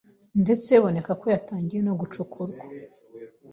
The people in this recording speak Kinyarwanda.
ndetse biboneka ko yatangira no gucukurwa,